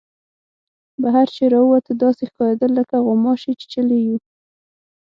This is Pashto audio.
بهر چې را ووتو داسې ښکارېدل لکه غوماشې چیچلي یو.